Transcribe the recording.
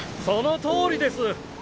そのとおりです。